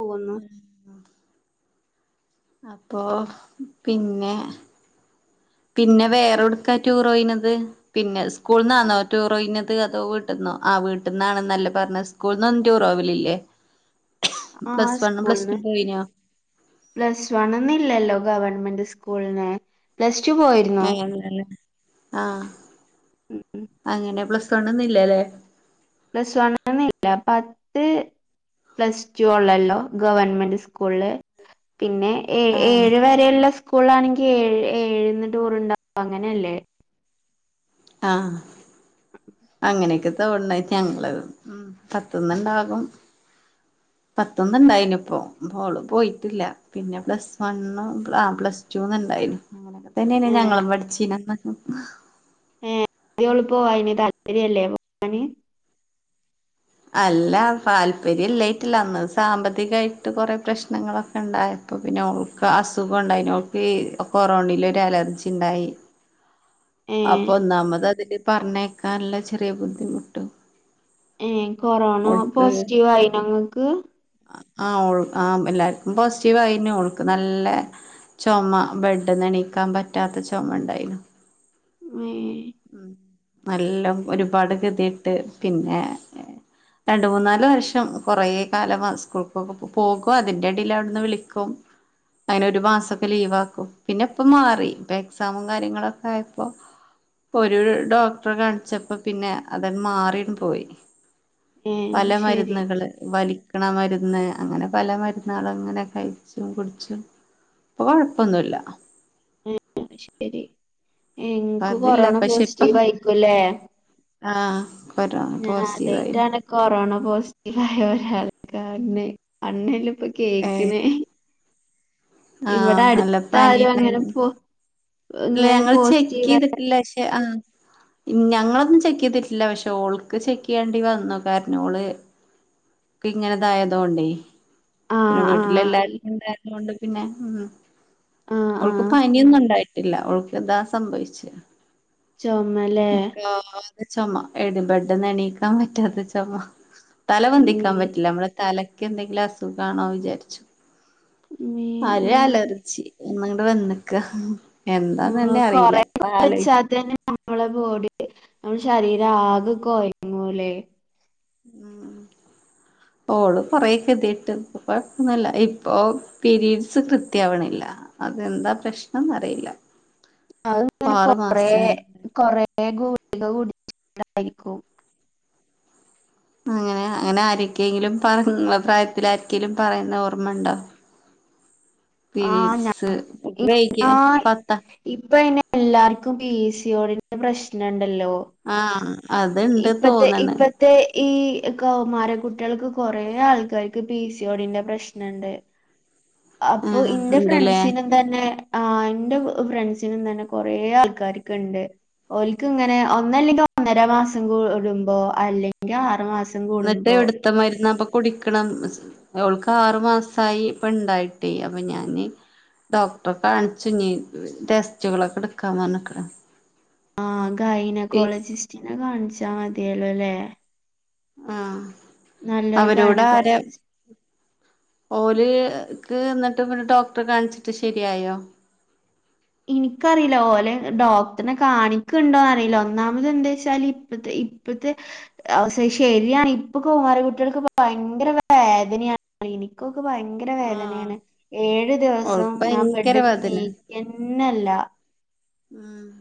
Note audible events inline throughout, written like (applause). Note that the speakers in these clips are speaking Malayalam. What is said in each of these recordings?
പോകുന്നു ആഹ് അപ്പോ പിന്നെ പിന്നെ വേറെട്ക്കാ ടൂറോയിന്നത് പിന്നെ സ്കൂള്ന്നാന്നോ ടൂറോയിഞ്ഞത് അതോ വീട്ട്ന്നോ ആഹ് വീട്ടന്നാണന്നല്ലേ പറഞ്ഞെ സ്കൂള്ന്നൊന്നും ടൂറ്പോവലില്ലേ ആ പ്ലസ് വണ്ണും പ്ലസ് സ്കൂളിന് ടുവും പോയിനോ പ്ലസ് വൺന്ന് ഇല്ലാലോ ഗവൺമെന്റ് സ്കൂളിന് പ്ലസ് ടു പോയിര് അങ്ങൻ തന്നെ ആഹ് ഉം അങ്ങനെ പ്ലസ് വൺന്നില്ലല്ലേ പ്ലസ് വൺന്നില്ല അഹ് പത്ത് പ്ലസ് ടു ഒള്ളല്ലോ ഗവൺമെന്റ് സ്കൂളില് പിന്നെ ഏ ആഹ് ഏഴ് വരെയുള്ള സ്കൂളാണെങ്കിൽ ഏഴ് ഏഴന്ന് ടൂർണ്ടാവും അങ്ങനെല്ലേ ആഹ് (inaudible) അങ്ങനെക്കെ തോന്ന്ണ്ട് ഞങ്ങള് ഉം പത്തുന്നുണ്ടാകും പത്ത്ന്ന് ഇണ്ടായിന് ഇപ്പോ ഓൾ പോയിട്ടില്ല പിന്നെ പ്ലസ് വൺ പ്ലസ്റ്റൂ ഇണ്ടായിന്നു അങ്ങനെ തന്നെ ഏ ഞങ്ങളും പഠിച്ചീനെ ഏഹ് ന്ത്യേ ഓള് പോവായ് ന്ന് താല്പര്യല്ലേ പോവാന് അല്ല താല്പര്യം ഇല്ലായിട്ടല്ല അന്ന് സാമ്പത്തികായിട്ട് കൊറേ പ്രശ്നങ്ങളൊക്കെ ഉണ്ടായി അപ്പൊ പിന്നെ അവൾക്ക് അസുഖം ഉണ്ടായിനു അവൾക് ഈ കൊറോണയിലൊരു അലർജി ഉണ്ടായി ഏ അപ്പൊ ഒന്നാമത് അതില് പറഞ്ഞേക്കാനുള്ള ചെറിയ ബുദ്ധിമുട്ട് ഏഹ് കൊറോണ പോസിറ്റീവ് ആയിനോ നിങ്ങൾക്ക് ആഹ് ആഹ് എല്ലാർക്കും പോസിറ്റീവയ്നു ഓൾക്ക് നല്ല ചൊമ ബെഡ്ന്ന് എണീക്കാൻ പറ്റാത്ത ചൊമണ്ടായിന് മേ ഉം നല്ലം ഒരുപാട് ഗതി കെട്ട് പിന്നെ രണ്ട് മൂന്നാല് വർഷം കൊറേ കാലം സ്കൂൾക്കൊക്കെ പോകും അതിന്റെടിൽ അവിടുന്ന് വിളിക്കും അങ്ങനെ ഒരു മാസൊക്കെ ലീവ് ആക്കും പിന്നെ ഇപ്പ മാറി ഇപ്പൊ എക്സാമും കാര്യങ്ങളൊക്കെ ആയപ്പോ ഒരു ഡോക്ടറെ കാണിച്ചപ്പോ പിന്നെ അത മാറിൺപോയി ഏ പല ശരി മരുന്നുകള് വലി ക്കണ മരുന്ന് അങ്ങനെ പല മരുന്നുകളും ഇങ്ങനെ കഴിച്ചും കുടിച്ചും ഇപ്പൊ കുഴപ്പൊന്നുല്ല അത് ശരി ഇപ്പ ഇനിക്ക് അതില്ല കൊറോണ പക്ഷെ ഇപ്പം പോസിറ്റീവ് ആയിക്കുംല്ലേ ആഹ് കൊറോണ ഞാൻ പോസിറ്റീ വായിനു ആദ്യായിട്ടാണ് കൊറോണ പോസിറ്റീവ് ആയ ആൾക്കാരണ് കണ്ണിലും ഇപ്പൊ ഏഹ് കേക്ക്‌നെ ആഹ് ഇവിടെ നല്ല പനി അട്ത്താരും അങ്ങനെ ഉണ്ടായിന് ഇങ്ങനെ പോസിറ്റീവ് ഇല്ലശെ ആഹ് ഞങ്ങളൊന്നും ചെക്കിതിട്ടില്ല പക്ഷെ ഓൾക്ക് ചെക്ക്യ്യേണ്ടി വന്നു കാരണം ഓള് ഇപ്പങ്ങനെതായതുകൊണ്ടേ പിന്നെ ആഹ് ആഹ് വീട്ടിലെല്ലാര്ക്കുംണ്ടായോണ്ട് പിന്നെ ഉം ആഹ് ഓൾക്ക് ആഹ് പനിയൊന്നുംണ്ടായിട്ടില്ല ഓൾക്ക് ഇതാ സംഭവിച്ച ചുമലേ (unintelligible) (unintelligible) ചുമ ബെഡ്ന്ന് എണീക്കാൻ പറ്റാത്ത ചുമ തല മീ പൊന്തിക്കാൻ പറ്റില്ല നമ്മള തലക്ക് എന്തെങ്കിലും അസുഖാണോ വിചാരിച്ചു മീ ഒര് ആഹ് അലർജി എന്നങ്ങടെ വന്നക്ക ആഹ് എന്താന്നന്നെ അറില്ല കൊറേ കുറച്ചാ തന്നെ നമ്മളെ ബോഡി നമ്മുടെ ശരീരം ആകെ കുയങ്ങുലെ ഉം ഓള് കൊറെ കെതിട്ട് അപ്പൊന്നല്ല ഇപ്പൊ പീരീഡ്സ് കൃത്യയാവണില്ല അതെന്താ പ്രശ്നംന്ന് അറില്ല അത് ഇങ്ങനെ കൊറേ കൊറേ ഗുളിക കുടിച്ചിട്ടയിരിക്കും അങ്ങനെ അങ്ങനെ ആരിക്കെങ്കിലും ഇങ്ങളെ പ്രായത്തില ആരിക്കെലും പറയുന്ന ഓർമ്മുണ്ടോ ആഹ് ഞാൻ പിരീഡസ് (unintelligible) പത്ത ഇപ്പ അങ്ങനെഎല്ലാർക്കും പിസിയോടി പ്രശ്നംണ്ടല്ലോ ആഹ് അത്ണ്ട് തോന്നണ് അത് ഈ കൗമാര കുട്ടികൾക്ക് കൊറെ ആൾക്കാർക്ക് പി സി ഓടിന്റെ പ്രശ്നംണ്ട് (inaudible) അപ്പൊ ആഹ് ഇന്റെ ഇണ്ട്ല്ലേ ഫ്രണ്ട്സിനൊ തന്നെ ആഹ് ഇന്റെ വ് ഫ്രണ്ട്സിനും തന്നെ കൊറേ ആൾക്കാരിക്കിണ്ട്. ഓല്ക്ക്ങ്ങനെ ഒന്നല്ലെങ്കി ഒന്നര മാസം കൂടുമ്പോ അല്ലെങ്കി ആറുമാസം ന്നിട്ടെവ്ടുത്ത മരുന്നാപ്പൊ കുടിക്കണം ഓൾക്കാറുമാസായി ഇപ്പണ്ടായിട്ടേയ് അപ്പ ഞാനീ ഡോക്ടറെ കാണിച്ചുന്നി ടെസ്റ്റുകളൊക്കെടുക്കാപറഞ്ഞിക്ണ് ആഹ് ഗൈനകോളജിസ്റ്റിനെ കാണിച്ചാ മതിയേലോല്ലേ? ആഹ് നല്ലൊരു അവരോടാരാ ഗൈനക്കോളജിസ്റ്റ് ഓല് ക്ക്ന്നിട്ട് പിന്നെ ഡോക്ടറെ കാണിച്ചിട്ട് ശരിയായോ? ഇനിക്കറില്ല ഓലെ ഡോക്ടർനെ കാണിക്ക്ണ്ടോ അറീലൊന്നാമത് എന്തേച്ചാല് ഇപ്പത്തെ ഈ ഇപ്പത്തെ അവ ശരിയാണ് ഇപ്പൊ കൗമാര കുട്ടേൾക്ക് വയങ്കര വേദനയാണ് ഇനിക്കൊക്കെ വയങ്ക ആഹ് ങ്കരവേദനേണ് ഏഴു ദിവസം ഓൾക്ക് ഞാൻ ഭയങ്കര ബെഡിന്ന് വേദന നീക്കഞ്ഞേല്ല ഉം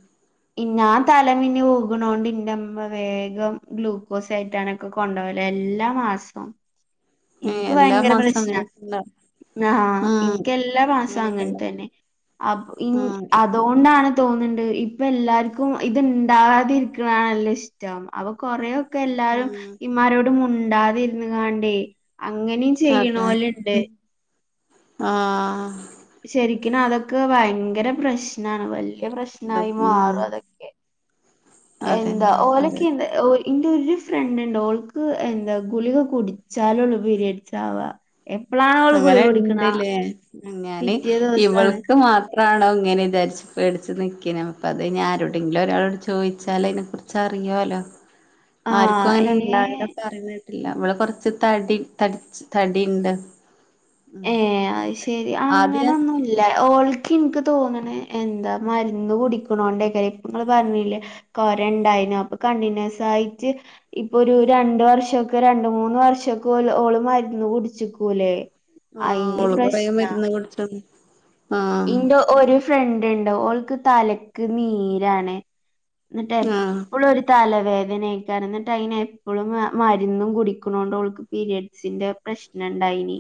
ഇന്നാം തലമിഞ്ഞി വുഗുണോണ്ട് ഇന്റെമ്മ വേഗം ഗ്ലൂക്കോസയറ്റാനൊക്കെ കൊണ്ടോവലാ എല്ലാമാസോം ഏഹ് ഇന്ക് എല്ലാ വയങ്കര മാസം പ്രശ്നാ അങ്ങനെയൊക്കെള്ള ആഹ് ഇനിക്കെല്ലാമാസോം അങ്ങൻ അങ്ങനെയൊക്കെള്ള തെന്നെ അപൊ ഇൻ ആഹ് അത് അതോണ്ടാണ് തോന്ന്ണ്ട് ഇപ്പേല്ലാർക്കും ഇത്ണ്ടാകാതരിക്കണാണല്ലോ ഇഷ്ട റ്റം അപോകൊറേ ക്കെല്ലാരും ഉം ഇമ്മാരോട് മുണ്ടാതിന്ന് ങ്ങാൻടെയ് അങ്ങനിം അതെ ചെയ്യ്ണോല്ണ്ട്. മം ആഹ് ശരിക്കിനുതൊക്കെ വയങ്കര പ്രശ്നാണ് വല്ല്യേ ഇത് പ്രശ്നമായി ഉം മാറും അതൊക്കെ എന്താ അതന്നെ അതെ ഓലൊക്കെന്താ ഓ ഇന്റൊരു ഫ്രണ്ട് ണ്ട് ഓൾക്ക് എന്താ ഗുളിക കുടിച്ചാലൊള്ളൂ പീരിഡ്സാവാ എപ്പളാണോള് ഗുളികുടിക്കുണ് ആ അങ്ങനി ഇവൾക്കു മാ ണോ ഇങ്ങനെചാരിച്ചു പേടിച്ച് നിക്കെനി പ്പത് ഞാരോടെങ്കിലോരാളോട് ചോയ്ച്ചാല് അയിനെ കുറി ചർങ്ങ്യയോല ആഹ് ആര്ക്കുങ്ങനെ ഇണ്ടാക്ണ ഏഹ് പറീണേട്ടില്ല ഇവള് കൊറച്ച് തടി തടിച്ച് തടിണ്ട്. ഉം ഏഹ് അത് ശെരി ആദ്യം അങ്ങനൊന്നു ഇല്ല ഓൾക്ക് ഇൻക്ക് തോന്ന്ണേ എന്താ മരുന്ന് കുടിക്കണോണ്ടേക്കാരം ഇപ്പ ങ്ങള് പറഞ്ഞില്ലേ. കൊര ണ്ടായിനൊ അപ്പൊ കണ്ടിന്യൂസായിട്ട് ഇപ്പൊരു രണ്ട് വർഷൊക്കെ രണ്ട്, മൂന്ന് വർഷൊക്കെ ഓള് ഓള് മര്ന്ന് കുടിച്ചികൂലെ. ആഹ് ഓള് കൊറേ മര്ന്ന് കുട്ച്ച് ഇന്റ ഒരു ഫ്രണ്ട്ണ്ട് ഓൾക്ക് തലക്ക് നീരാണ്. ന്നിട്ടെ ആഹ് പ്പളൊര് തലവേദനെയ്കാരം ന്നിട്ടയിന് എപ്പളും മ മരുന്നും കുടിക്കുണോണ്ടോൾക്കു പിരിഡ്സിന്റെ പ്രശ്നണ്ടായിനി.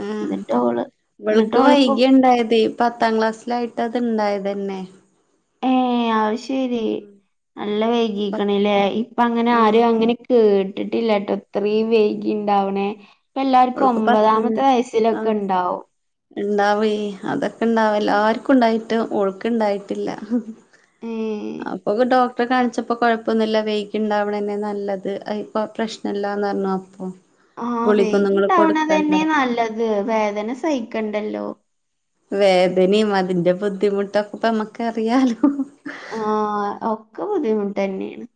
ആഹ് ഇന്നട്ട് ഓള് ഇന്നട്ട് ഇവൾക്ക് ഓളിപ്പോ വൈകിയിണ്ടായതെയ് പത്താം ക്ലാസ് ലായിട്ടാത്ണ്ടായതന്നെ ഏഹ് അഹ് ശരി നല്ല പത്ത് വെയ്കിക്ക്ണല്ലേ ഇപ്പ അങ്ങനെ ആഹ് ആരും അങ്ങനെ കേട്ടിട്ടില്ല ട്ടോ ഇത്രീം വെയ്കിണ്ടാവണെ ഇപ്പല്ലാർക്കും ഓൾക്ക് ഒമ്പതാമത്തെ വയസ്സിലൊക്കെ ണ്ടാവും. ണ്ടാവെയ് അതൊക്കെണ്ടാവെല്ലാർക്കുണ്ടായിട്ട് ഓൾക്ക്ണ്ടായിട്ടില്ല. ഏ അപ്പൊക്ക ഡോക് പ്പ കാണിച്ചപ്പോ കൊഴപ്പൊന്നുല്ല വെയ്കിണ്ടാവണംന്നെ നല്ലത് അയി പ്പൊ പ്രശ്നംല്ലാന്നറിഞ്ഞു അപ്പൊ ആഹ് ഗുളികൊന്നും ഇങ്ങള് കൊടുക്കണ്ട വെയ്കിണ്ടാവണതന്നെ നല്ലത് വേദന സഹിക്കണ്ടല്ലോ. വേദനിം അതിന്റെ ബുദ്ധിമുട്ടൊക്കെ പ്പ മ്മക്ക് അറിയാലോ. ആഹ് ഒക്ക ബുദ്ധിമുട്ട്ന്നെണ്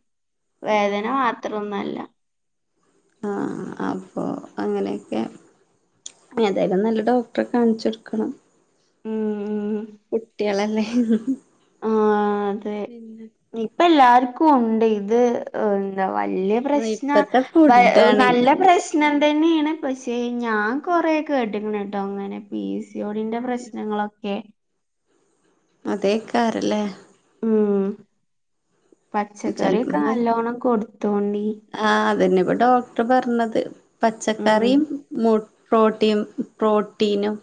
വേദന ഉം മാത്രൊന്നല്ല. ആഹ് അപ്പോ അങ്ങനെയൊക്കെ. ഏതായാലും നല്ല ഡോക്ടറെ കാണിച്ചെടുക്കണം. ഉം ഉം കുട്ട്യളല്ലേ പിന്നെ ഇപ്പ എല്ലാർക്കും ഉണ്ട്. ഇത് എന്താ വല്യ പ്രശ്ന ഇപ്പത്തെ വ ഫുഡാണ് നല്ല പ്രശ് (unintelligible) പക്ഷെ ഞാൻ കൊറേ കേട്ട്ക്ക്ണ് ട്ടോ അങ്ങനെ പീ സി യോടിന്റെ പ്രശ്നങ്ങളൊക്കെ അതേക്കാരല്ലേ ഉം ചെലപ്പോ പച്ചക്കറിയൊക്കെ നല്ലോണം കൊടുത്തോണ്ടി. ആഹ് അതന്നെ ഇപ്പോ ഡോക്ടർ പറഞ്ഞത് ഉം പച്ചക്കറിം മു പ്രോട്ടീൻ പ്രോട്ടീനും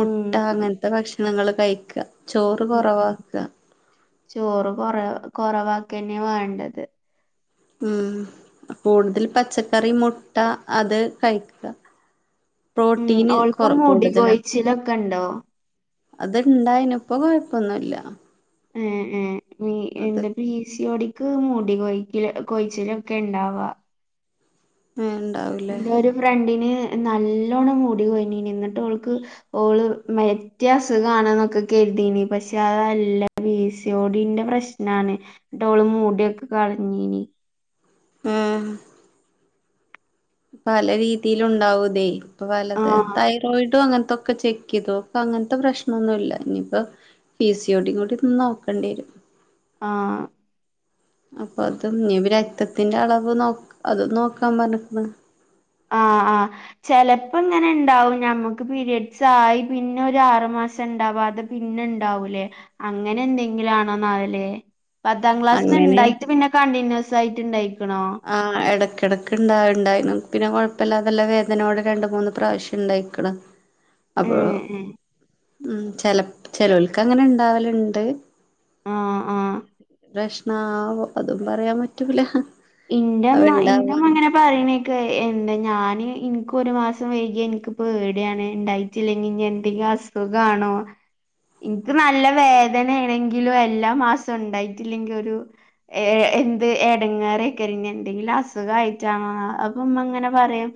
ഉം ഉം അങ്ങനത്തെ ഭക്ഷണങ്ങൾ കഴിക്ക ചോറ് ഉം കൊറവാക്ക. ചോറ് കൊറ കൊറവാക്കന്നെ വാണ്ടത്. ഉം കൂടുതൽ പച്ചക്കറി, മുട്ട അത് കഴിക്ക. ഉം പ്രോട്ടീന് ഓൾക്ക് കൊറ മുടി കൂടുതല കൊഴിച്ചിലൊക്കെ ഉണ്ടോ അത് ഇണ്ടായിനി ഇപ്പൊ കൊഴപ്പൊന്നുല്ല. ഏഹ് ഏഹ് നീ അത് എന്ത പീ സിയോടിക്ക് മുടി കൊഴിച്ചിൽ കൊഴിച്ചിലൊക്കെ ഉണ്ടാവാ. ആഹ് ഉണ്ടാവൂല്ലെ. എന്റെ ഒരു ഫ്രണ്ടിന് നല്ലോണം മൂടി കോഴിഞ്ഞീനി നിന്നിട്ട് ഓൾക് ഓള് മറ്റേ അസുഖാണ് എന്നൊക്കെ കരുതീനി. പക്ഷെ അതല്ല പീ സിയോടിന്റെ പ്രശ് ഞാന് ന്നിട്ട് ഓള് മുടിയൊക്കെ കൾഞ്ഞീനി. ഉം പല രീതിയിൽ ഉണ്ടാവുതേ ഇപ്പൊ ആ പലത ത പോയിട്ട് അങ്ങൻത്തക്കെ ചെക്ക് ചെയ്തോ? അപ്പൊ അങ്ങൻത്തെ പ്രശ്നം ഒന്നുല്ല ഇനിയിപ്പോ. പീ സിയോടിം കൂടി ഒന്ന് നോക്കേണ്ടിരും. ആഹ് അപ്പൊ അത് ഇനി രക്തത്തിന്റെ അളവ് നോ അതും നോക്കാൻ പറഞ്ഞിക്കണ് ആ ആ ചെലപ്പോ ഇങ്ങനെ ഉണ്ടാവും ഞമ്മുക്ക് പീരിയഡ്സ് ആയി പിന്നെ ഒരു ആറു മാസം ഉണ്ടാവാതെ പിന്നെ ഉണ്ടാവൂലേ അങ്ങനെ എന്തെങ്കിലാണോനാവോലെ പത്താം ക്ലാസ്സി നിന്ന് അങ്ങനെ ഉണ്ടായിട്ട് പിന്നെ കണ്ടിന്യൂസ് ആയിട്ട് ഉണ്ടായിക്കണോ ആ ഇടയ്ക്കിടയ്ക്ക് ഉണ്ടായിണ്ടായിരുന്നു പിന്നെ കുഴപ്പമില്ല അതെല്ല വേദനയോട് രണ്ട് മൂന്ന് പ്രാവശ്യം ഉണ്ടായിക്കണ് (inaudible) ഏ അപ്പോ ഏ ഉം ചെ ചേലോൽക്ക് അങ്ങനെ ഇണ്ടാവലുണ്ട് ആ ആ പ്രേശ്നവോ അതും പറയാൻ പറ്റൂല ഇന്റെമ്മ അവണ്ടാവാ ഇന്റെമ്മ അങ്ങനെ പറയണക്കെ എന്താ ഞാന് എനിക്ക് ഒരു മാസം വൈകിയ എനിക്കിപ്പോ പേടിയാണ് ഇട്ടായി ഇല്ലെങ്കിൽ എന്തെങ്കിലും അസുഖാണോ എനിക്ക് നല്ല വേദനാണെ ക്കിലും എല്ലാ മാസം ഉണ്ടായിട്ടില്ലെങ്കിൽ ഒരു എന്ത് എടങ്ങേറ കരിഞ്ഞ എന്തെങ്കിലും അസുഖ ആയിട്ടാണോ അപ്പൊ അങ്ങനെ പറയും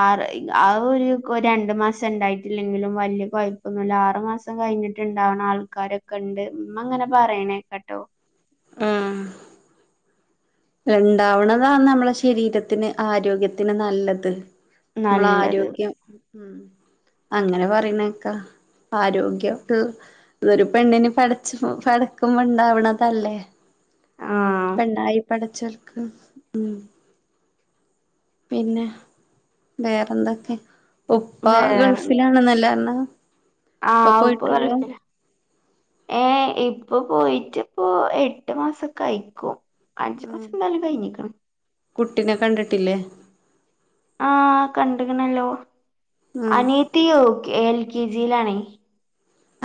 ആറ് ആ ഒരു രണ്ടു മാസം ഉണ്ടായിട്ടില്ലെങ്കിലും വല്യ കുഴപ്പൊന്നില്ല ആറു മാസം മാസം കഴിഞ്ഞിട്ടുണ്ടാവുന്ന ആൾക്കാരൊക്കെ ഉണ്ട് ഉമ്മ അങ്ങനെ പറയണേ കേക്കാട്ടോ ആഹ് ഉണ്ടാവുന്നതാണ് നമ്മളെ ശരീരത്തിന് ആരോഗ്യത്തിന് നല്ലത് നമ്മള നല്ലത് ആരോഗ്യം ഉം അങ്ങനെ പറയുന്നേക്കാ ആരോഗ്യം ട്ട് ഇതൊരു പെണ്ണിനന് പടചോ പടക്കുമ്പോ ഉണ്ടാവണതല്ലേ ആഹ് പെണ്ണായി പടചോൽക്ക് ഉം പിന്നെ വേറെന്തൊക്കെ ഉപ്പ വേറെ ഗൾഫിലാണെന്നല്ലേ പറഞ്ഞേ ആഹ് ഉപ്പ ഗൾഫിലാ ഏ ഇപ്പ പോയിട്ട് ഇപ്പ എട്ട് മാസൊക്കെ അയിക്കും അഞ്ച് മാസം ആഹ് എന്തായിലും കഴിഞ്ഞിക്കണ് കുട്ടിനെ കണ്ടിട്ടില്ലേ ആ കണ്ടക്കണല്ലോ ആഹ് അനീയത്തി യൂ എൽ കെ ജിയിലാണെ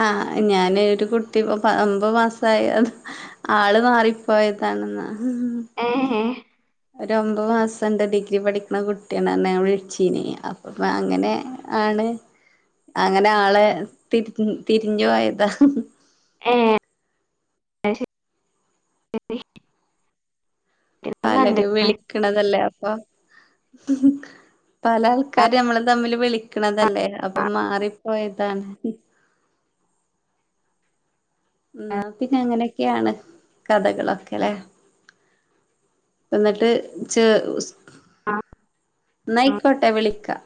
ആഹ് ഞാന് ഒരു കുട്ടി ഒമ്പത് മാസമായി അത് ആള് മാറിപ്പോയതാണെന്ന് (unintelligible) ഒര് ഒമ്പത് മാസം ണ്ട് ഡിഗ്രി പഠിക്കണ കുട്ടിയാണ് അന്ന് ഞാൻ വിളിച്ചീനി അപ്പ അങ്ങനെ ആണ് അങ്ങനെ ആളെ തിരി തിരിഞ്ഞു പോയതാ ഏ ശരി കണ്ട്ക്ക്ണ് പലര് വിളിക്കണതല്ലേ അപ്പ പല ആഹ് ആൾക്കാര് നമ്മള് തമ്മില് ആഹ് വിളിക്കണതല്ലേ അപ്പൊ മാറിപ്പോയതാണ് ആഹ് എന്നാ പിന്നെ അങ്ങനെയൊക്കെയാണ് കഥകളൊക്കെ അല്ലെ എന്നിട്ട് ച ആഹ് അന്നായിക്കോട്ടെ വിളിക്കാം